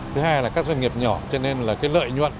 thứ hai là các doanh nghiệp nhỏ cho nên là cái lợi nhuận